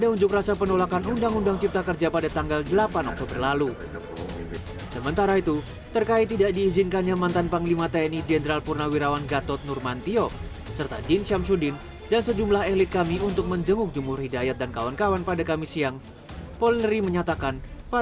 untuk mencari penolakan untuk mencari penolakan untuk mencari penolakan